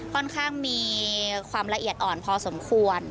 ค่อนข้างมีความละเอียดอ่อนพอสมควร